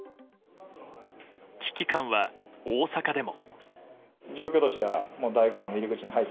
危機感は大阪でも。